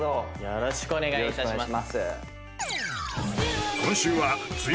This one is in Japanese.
よろしくお願いします